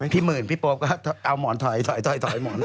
พี่หมื่นพี่โป๊ปก็เอาหมอนถอยหมดเลย